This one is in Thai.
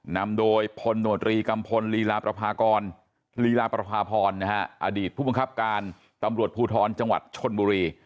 นำโดยพลโนตรีกัมพลลีลาประพากรลีลาประพาพรอดีตผู้บังคับการตำรวจภูทรจังหวัดชนบุรี